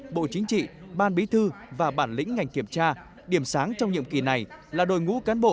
bộ chính trị ban bí thư và bản lĩnh ngành kiểm tra điểm sáng trong nhiệm kỳ này là đội ngũ cán bộ